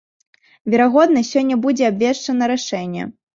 Верагодна, сёння будзе абвешчана рашэнне.